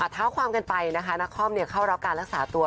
เท้าความกันไปนะคะนาคอมเข้ารับการรักษาตัว